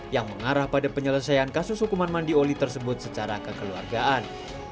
yang mengarah pada penyelesaian kasus hukuman mandi oli tersebut secara kekeluargaan